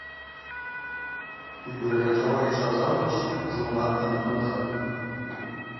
Йгвыргъьачӏвауа йчӏваз аурышв зынла дъанквынхатӏ.